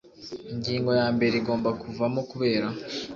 Ingingo yambere igomba kuvamo kubera